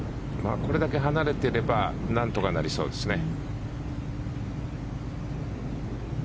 これだけ離れていればなんとかなりそうですね。